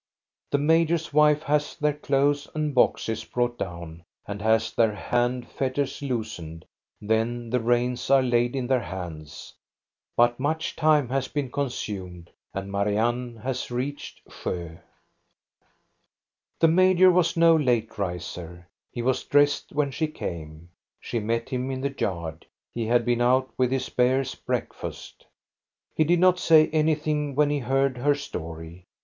The major's wife has their clothes and boxes brought down and has their hand fetters loosened; then the reins are laid in their hands. THE OLD VEHICLES . IIQ But much time has been consumed, and Marianne has reached Sjo. The major was no late riser ; he was dressed when she came. She met him in the yard ; he had been out with his bears' breakfast He did not say anything when he heard her story.